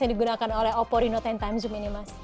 yang digunakan oleh oppo reno sepuluh zoom ini mas